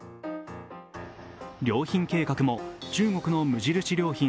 良品計画も中国の無印良品